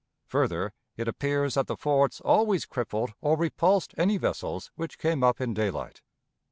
Further, it appears that the forts always crippled or repulsed any vessels which came up in daylight.